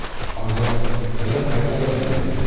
— Азат, әйҙә ҡайтайыҡ инде.